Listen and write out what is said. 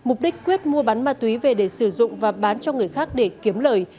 mục đích quyết mua bán ma túy về để sử dụng và bán cho người khác để kiếm lời